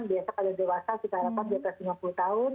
biasa kalau dewasa kita harapkan di atas lima puluh tahun